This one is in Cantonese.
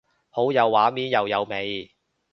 好有畫面又有味